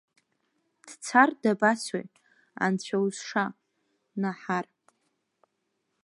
Дцар дабацои, анцәаузша, Наҳар…